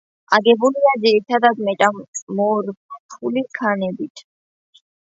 აგებულია ძირითადად მეტამორფული ქანებით.